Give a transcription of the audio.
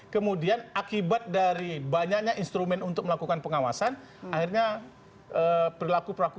kemudian akibat dari banyaknya instrumen untuk melakukan pengawasan akhirnya perilaku pelaku